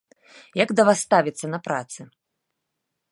Як да вас ставяцца на працы?